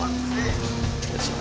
hancurin haji dari dalam